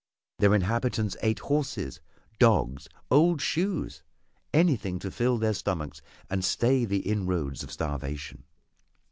Their inhabitants ate horses, dogs, old shoes anything to fill their stomachs and stay the inroads of starvation.